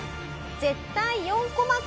絶対４コマ感。